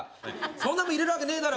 そんなもん入れるわけねえだろ！